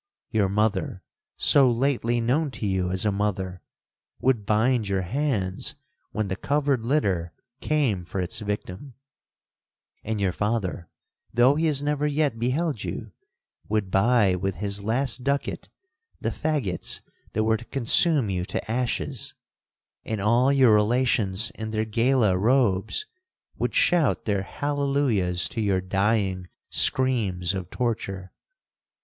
Your mother, so lately known to you as a mother, would bind your hands when the covered litter came for its victim; and your father, though he has never yet beheld you, would buy with his last ducat the faggots that were to consume you to ashes; and all your relations in their gala robes would shout their hallelujahs to your dying screams of torture.